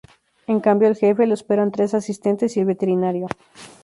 En cambio al Jefe, lo esperan tres asistentes y el veterinario.